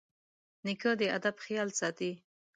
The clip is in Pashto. نیکه د ادب خیال ساتي.